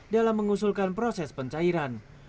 dalam mengusulkan proses pencairan